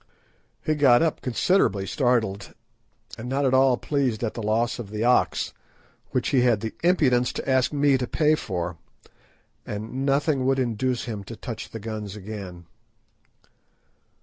He got up considerably startled, and not at all pleased at the loss of the ox, which he had the impudence to ask me to pay for, and nothing would induce him to touch the guns again.